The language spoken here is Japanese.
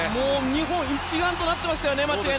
日本一丸となっていましたよね！